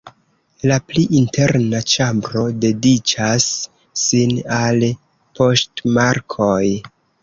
La pli interna ĉambro dediĉas sin al poŝtmarkoj.